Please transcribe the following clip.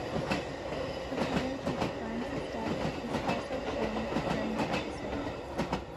The footage of Grimes' death is also shown during that episode.